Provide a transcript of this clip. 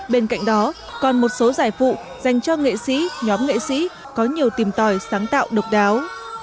bên cạnh đó còn một số giải phụ dành cho nghệ sĩ nhóm nghệ sĩ có nhiều tìm tòi sáng tạo độc đáo